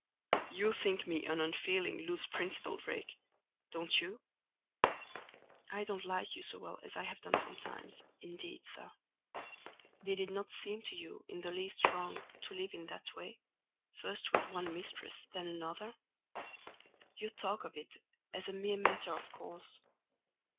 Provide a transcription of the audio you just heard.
You think me an unfeeling, loose principled rake: don't you?" "I don't like you so well as I have done sometimes, indeed, sir. Did it not seem to you in the least wrong to live in that way, first with one mistress and then another? You talk of it as a mere matter of course."